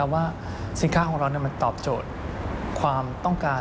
ว่าสินค้าของเรามันตอบโจทย์ความต้องการ